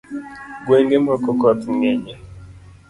Ngwenge moko koth ng’enye